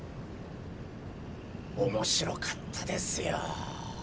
面白かったですよ。